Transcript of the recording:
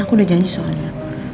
aku udah janji soalnya